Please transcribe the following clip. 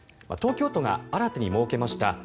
東京都が新たに設けました